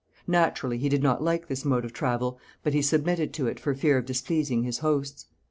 Naturally he did not like this mode of travel, but he submitted to it for fear of displeasing his hosts.